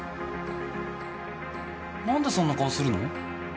何でそんな顔するの？